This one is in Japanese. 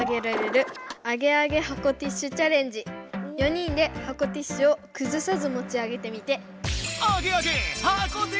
４人で箱ティッシュをくずさず持ち上げてみて！